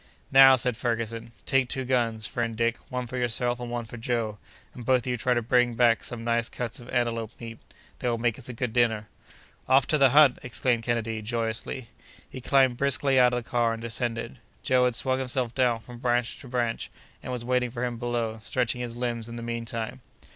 "Now," said Ferguson, "take two guns, friend Dick—one for yourself and one for Joe—and both of you try to bring back some nice cuts of antelope meat; they will make us a good dinner." "Off to the hunt!" exclaimed Kennedy, joyously. He climbed briskly out of the car and descended. Joe had swung himself down from branch to branch, and was waiting for him below, stretching his limbs in the mean time.